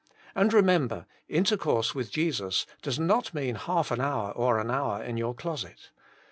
And remember, intercourse with Jesus 2)oe0 not mean baltssan^bour or an hour in your closet.